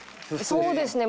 そうですね。